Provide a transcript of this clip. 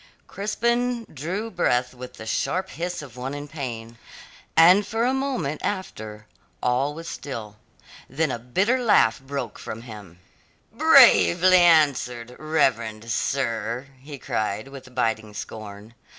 Crispin drew breath with the sharp hiss of one in pain, and for a moment after all was still. Then a bitter laugh broke from him. "Bravely answered, reverend sir," he cried with biting scorn.